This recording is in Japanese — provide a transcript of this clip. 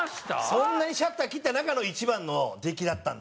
そんなにシャッター切った中の一番の出来だったんだ。